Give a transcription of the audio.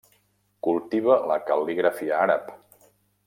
Cultiva la cal·ligrafia àrab.